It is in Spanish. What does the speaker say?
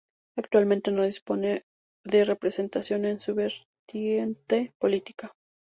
Actualmente no dispone de representación en su vertiente política.